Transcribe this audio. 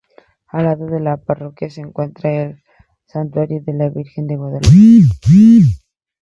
Al lado de la Parroquia, se encuentra el Santuario de la Virgen de Guadalupe.